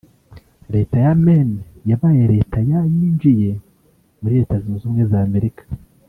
Leta ya Maine yabaye leta ya yinjiye muri Leta Zunze Ubumwe za Amerika